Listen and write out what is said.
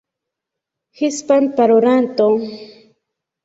hispanparolanto